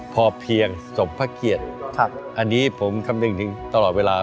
พอเพียงสมพระเกียรติอันนี้ผมคำนึงถึงตลอดเวลา